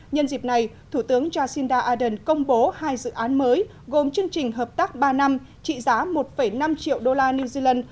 nhân dịp này thủ tướng jacinda ardern công bố hai dự án mới gồm chương trình hợp tác ba năm trị giá một năm triệu đô la new zealand